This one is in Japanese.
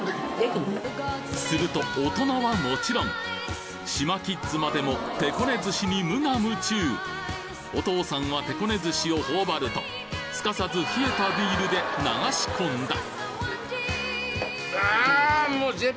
すると大人はもちろん志摩キッズまでもてこね寿司に無我夢中お父さんはてこね寿司を頬張るとすかさず冷えたビールで流し込んだ！